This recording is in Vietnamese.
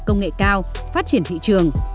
công nghệ cao phát triển thị trường